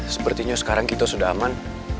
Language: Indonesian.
sepertinya sekarang kita sudah aman